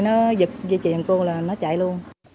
nó giật dây chuyền cô là nó chạy luôn